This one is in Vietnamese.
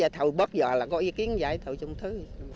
thôi bất giờ là có ý kiến dạy thôi chung thứ